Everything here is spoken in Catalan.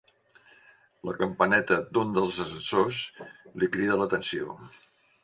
La campaneta d'un dels ascensors li crida l'atenció.